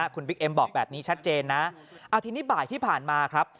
คุณบิ๊กเอ็มบอกแบบนี้ชัดเจนนะเอาทีนี้บ่ายที่ผ่านมาครับ